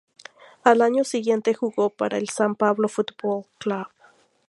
Al año siguiente jugó para el San Pablo Fútbol Club.